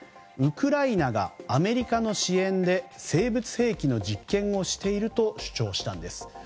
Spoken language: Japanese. ウクライナがアメリカの支援で生物兵器の実験をしていると主張したんです。